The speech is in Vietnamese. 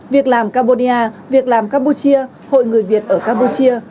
việc làm cabodia việc làm campuchia hội người việt ở campuchia